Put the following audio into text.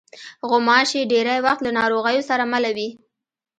غوماشې ډېری وخت له ناروغیو سره مله وي.